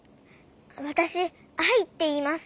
わたしアイっていいます。